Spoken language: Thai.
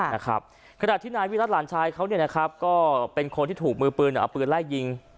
ขณะที่นายวิรัติหลานชายเขาเนี่ยนะครับก็เป็นคนที่ถูกมือปืนเอาปืนไล่ยิง